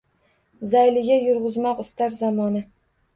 Zayliga yurgizmoq istar zamona